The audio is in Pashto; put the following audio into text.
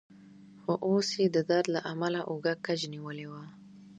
خو اوس يې د درد له امله اوږه کج نیولې وه.